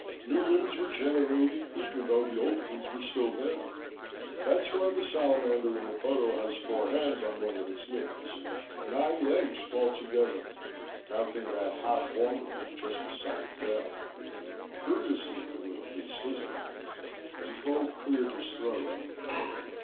New limbs were generated even though the old ones were still there. That's why the salamander in the photo has four hands on one of its limbs nine legs altogether, counting that half formed one just beside the tail. Curious looking little beast, isn't it?" Defoe cleared his throat.